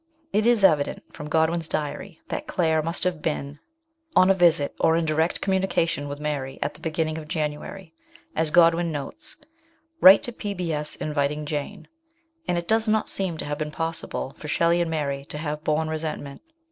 It is evident from Godwin's diary that Claire must have been on a visit or in direct communication with Mary at the beginning of January, as Godwin notes 61 Write to P.B.S. inviting Jane"; and it does not seem to have been possible for Shelley and Mary to have borne resentment.